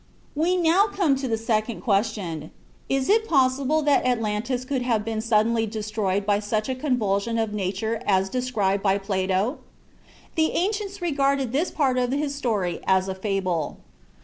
We come now to the second question, Is it possible that Atlantis could have been suddenly destroyed by such a convulsion of nature as is described by Plato? The ancients regarded this part of his story as a fable.